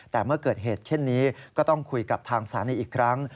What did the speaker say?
แต่เมื่อเกิดเหตุเช่นนี้ก็ต้องคุยกับทางสถานีอีกครั้ง